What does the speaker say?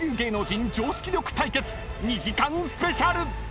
［２時間スペシャル！］